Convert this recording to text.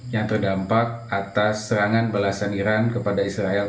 yang terdampak atas serangan belasan iran kepada israel